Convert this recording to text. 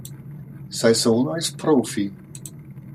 Saison als Profi.